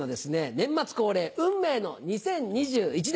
年末恒例運命の２０２１年。